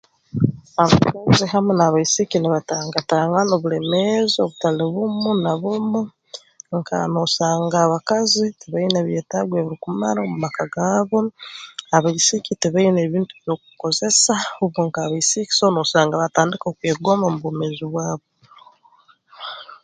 Abasaija hamu n'abaisiki nibatangatangana obulemeezi obutali bumu na bumu nka noosanga abakazi tibaine byetaago ebirukumara mu maka gaabo abaisiki tibaine bintu by'okukozesa hubo nk'abaisiki so noosanga baatandika kwegomba mu bwomeezi bwabo